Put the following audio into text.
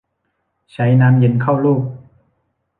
ใช้น้ำเย็นเข้าลูบ